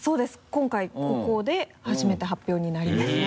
今回ここで初めて発表になりますね。